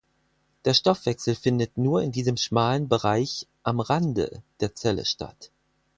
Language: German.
Der Stoffwechsel findet nur in diesem schmalen Bereich „am Rande“ der Zelle statt.